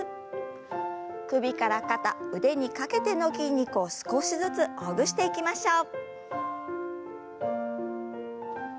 首から肩腕にかけての筋肉を少しずつほぐしていきましょう。